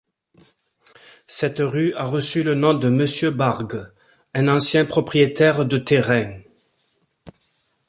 Cette rue a reçu le nom de monsieur Bargue, un ancien propriétaire de terrains.